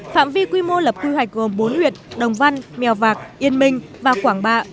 phạm vi quy mô lập quy hoạch gồm bốn huyện đồng văn mèo vạc yên minh và quảng bạ